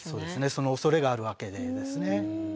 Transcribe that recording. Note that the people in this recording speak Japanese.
そのおそれがあるわけですね。